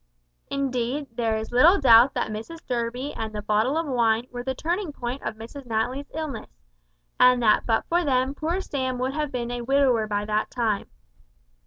Indeed there is little doubt that Mrs Durby and the bottle of wine were the turning point of Mrs Natly's illness, and that but for them, poor Sam would have been a widower by that time.